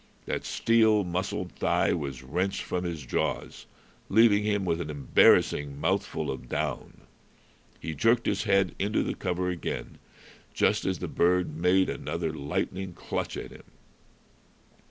That steel muscled thigh was wrenched from his jaws, leaving him with an embarrassing mouthful of down. He jerked his head into cover again, just as the bird made another lightning clutch at him.